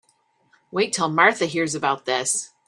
Wait till Martha hears about this.